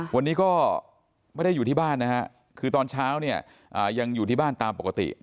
วันนี้ก็ไม่ได้อยู่ที่บ้านนะฮะคือตอนเช้าเนี่ยยังอยู่ที่บ้านตามปกติ